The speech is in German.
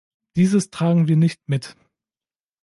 Dieses tragen wir nicht mit.